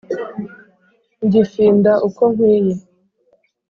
Ngifinda uko nkwiye